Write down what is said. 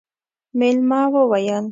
مېلمه وويل: